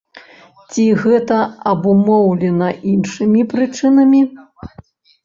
Ці гэта абумоўлена іншымі прычынамі?